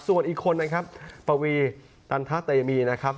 ส่วนอีกคนนะครับปวีตันทะเตมีนะครับ